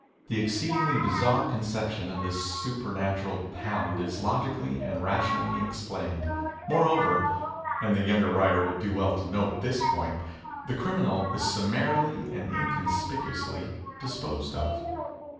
The exceedingly bizarre conception of this supernatural hound is logically and rationally explained. Moreover, and the young writer would do well to note this point, the criminal is stmimarily and inconspicuously disposed of.